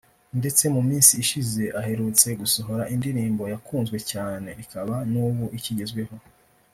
ndetse mu minsi ishize ahurutse gusohora indirimbo yakunzwe cyane ikaba n’ubu ikigezweho